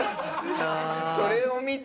それを見て。